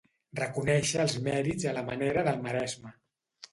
Reconèixer els mèrits a la manera del Maresme.